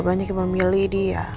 banyak yang memilih dia